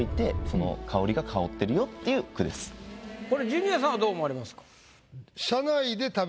これジュニアさんはどう思われますか？